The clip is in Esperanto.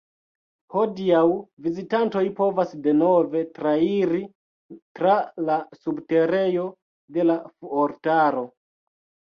Hodiaŭ vizitantoj povas denove trairi tra la subterejo de la fuortaro.